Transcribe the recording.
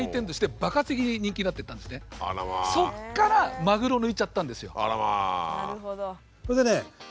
そこからマグロを抜いちゃったんですよ。